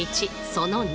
その２。